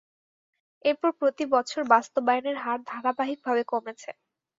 এরপর প্রতিবছর বাস্তবায়নের হার ধারাবাহিকভাবে কমেছে।